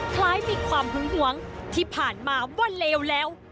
คล้ายมีความหึงหวงที่ผ่านมาว่าเลวแล้ว